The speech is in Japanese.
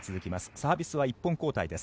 サービスは１本交代です。